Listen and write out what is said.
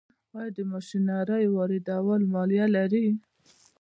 آیا د ماشینرۍ واردول مالیه لري؟